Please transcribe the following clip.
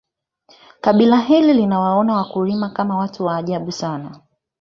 kabila hili linawaona wakulima Kama watu ajabu sana